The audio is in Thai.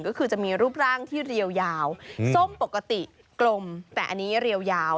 ก็คือจะมีรูปร่างที่เรียวยาวส้มปกติกลมแต่อันนี้เรียวยาว